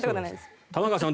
玉川さん